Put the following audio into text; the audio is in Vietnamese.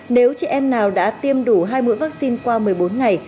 nếu chị em nào đã tiêm đủ hai mũi vaccine qua một mươi bốn ngày